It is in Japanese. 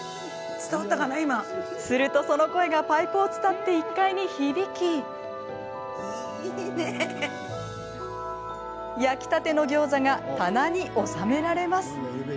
すると、その声がパイプを伝って１階に響き焼きたてのギョーザが棚に収められます。